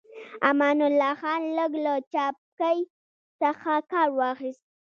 امان الله خان لږ له چابکۍ څخه کار واخيست.